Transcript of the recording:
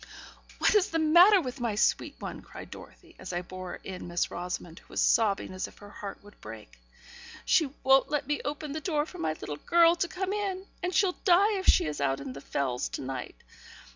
'What is the matter with my sweet one?' cried Dorothy, as I bore in Miss Rosamond, who was sobbing as if her heart would break. 'She won't let me open the door for my little girl to come in; and she'll die if she is out on the Fells all night.